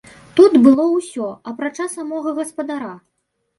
Тут было ўсё, апрача самога гаспадара.